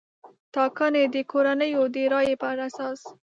ټاګنې د کورنیو د رایې پر اساس